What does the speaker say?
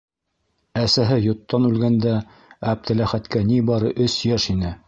Әсәһе йоттан үлгәндә Әптеләхәткә ни бары өс йәш ине.